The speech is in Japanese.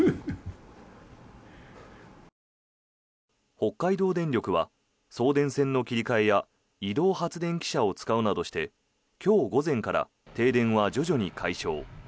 北海道電力は送電線の切り替えや移動発電機車を使うなどして今日午前から停電は徐々に解消。